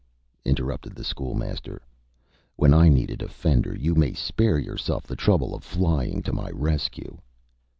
interrupted the School Master. "When I need a defender, you may spare yourself the trouble of flying to my rescue."